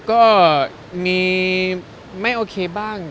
สุขภาพโอเคครับก็มีไม่โอเคบ้าง